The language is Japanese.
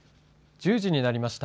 １０時になりました。